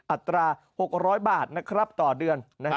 อัตรา๖๐๐บาทต่อเดือน